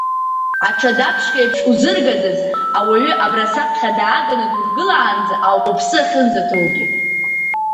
Аҽадаԥшқа еиԥш узыргаӡаз ауаҩы абра саԥхьа дааганы дургылаанӡа ауп уԥсы ахьынӡаҭоугьы!